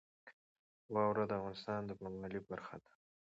واوره د افغانستان د بڼوالۍ برخه ده.